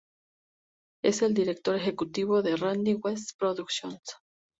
Es el director ejecutivo de Randy West Productions.